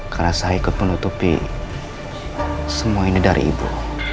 karena saya ikut menutupi semua ini dari ibu